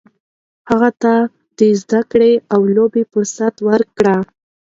هغوی ته د زده کړې او لوبو فرصت ورکړئ.